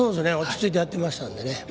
落ち着いてやってましたね。